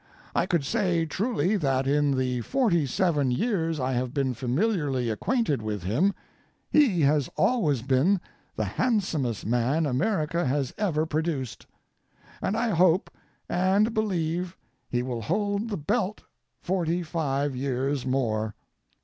I could say truly that in the forty seven years I have been familiarly acquainted with him he has always been the handsomest man America has ever produced. And I hope and believe he will hold the belt forty five years more.